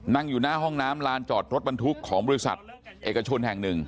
นั่งอยู่หน้าห้องน้ำลานจอดรถบรรทุกของบริษัทเอกชนแห่งหนึ่ง